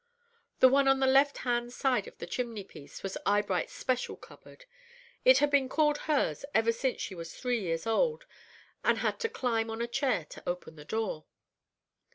The one on the left hand side of the chimney piece was Eyebright's special cupboard. It had been called hers ever since she was three years old, and had to climb on a chair to open the door.